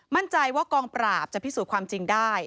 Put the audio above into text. มั่นใจว่ากองปราบจะพิสูจน์ความจริงได้